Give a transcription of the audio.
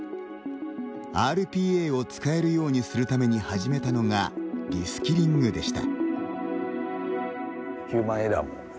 ＲＰＡを使えるようにするために始めたのが、リスキリングでした。